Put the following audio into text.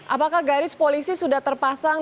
apakah garis polisi sudah terpasang